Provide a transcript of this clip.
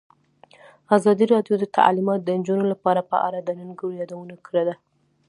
ازادي راډیو د تعلیمات د نجونو لپاره په اړه د ننګونو یادونه کړې.